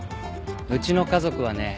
うちの家族はね